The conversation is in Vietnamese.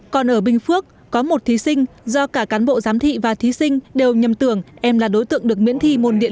còn ở bình phước có một thí sinh do cả cán bộ giám thị và thí sinh đều nhầm tưởng em là đối tượng được miễn thi môn điện